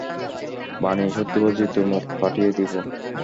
বানি, সত্যি বলছি তোর মুখ ফাঁটিয়ে দিবো!